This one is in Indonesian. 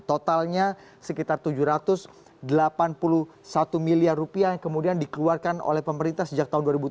totalnya sekitar tujuh ratus delapan puluh satu miliar rupiah yang kemudian dikeluarkan oleh pemerintah sejak tahun dua ribu tujuh belas